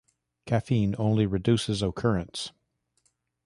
Caffeine only reduces occurrence.